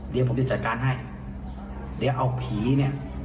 เดี๋ยวผมจะจัดการให้เดี๋ยวเอาผีเนี่ย